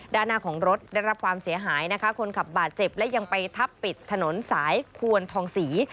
ด้านหน้าของรถได้รับความเสียหายนะคะคนขับบาดเจ็บและยังไปทับปิดถนนสายควรทองศรี